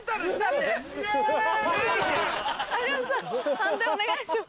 判定お願いします。